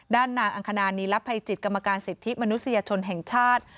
ด้านนางอังคณานีรับภัยจิตกรรมการสิทธิมนุษยชนแห่งชาติ